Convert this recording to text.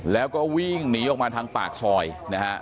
แล้วก็วิ่งหนีออกมาทางปากซอยนะฮะ